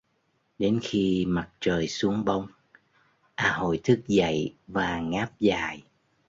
Đến khi mặt trời xuống bóng a hội thức dậy và ngáp dài